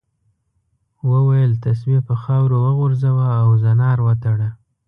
وویل تسبیح په خاورو وغورځوه او زنار وتړه.